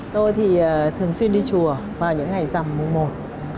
tôi thì thường xuyên đi chùa vào những ngày rằm mùa mùa